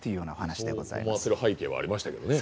そう思わせる背景はありましたけどね。